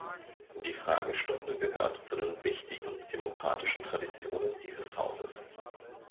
Die Fragestunde gehört zu den wichtigen demokratischen Traditionen dieses Hauses.